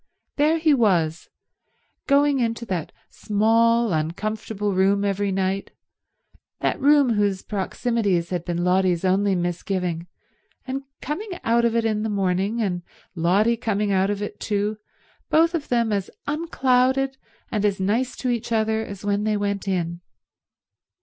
There he was, going into that small, uncomfortable room every night, that room whose proximities had been Lotty's only misgiving, and coming out of it in the morning, and Lotty coming out of it too, both of them as unclouded and as nice to each other as when they went in.